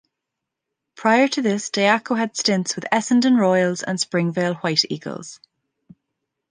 Prior to this Diaco had stints with Essendon Royals and Springvale White Eagles.